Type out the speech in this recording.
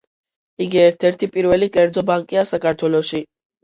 იგი ერთ–ერთი პირველი კერძო ბანკია საქართველოში.